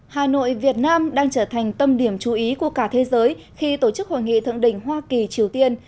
hà nội việt nam đang trở thành tâm điểm chú ý của cả thế giới khi tổ chức hội nghị thượng đỉnh hoa kỳ triều tiên